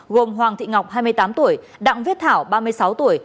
gồm hoàng thị ngọc hai mươi tám tuổi đặng viết thảo ba mươi sáu tuổi